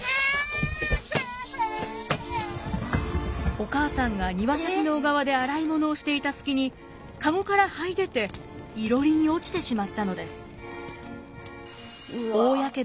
お母さんが庭先の小川で洗い物をしていた隙に籠からはい出ていろりに落ちてしまったのです。